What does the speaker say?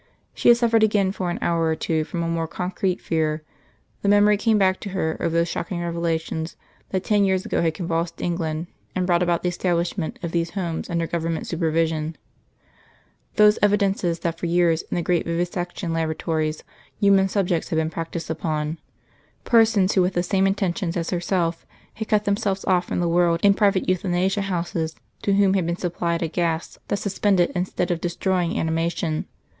She had suffered again for an hour or two from a more concrete fear; the memory came back to her of those shocking revelations that ten years ago had convulsed England and brought about the establishment of these Homes under Government supervision those evidences that for years in the great vivisection laboratories human subjects had been practised upon persons who with the same intentions as herself had cut themselves off from the world in private euthanasia houses, to whom had been supplied a gas that suspended instead of destroying animation....